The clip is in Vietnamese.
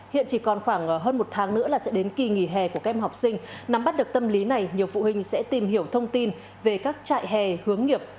hiện chỉ còn khoảng hơn một tháng nữa là sẽ đến kỳ nghỉ hè của các em học sinh nắm bắt được tâm lý này nhiều phụ huynh sẽ tìm hiểu thông tin về các trại hè hướng nghiệp